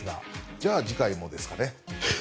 じゃあ次回もですかね。